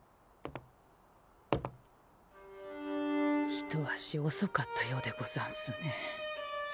一足おそかったようでござんすね。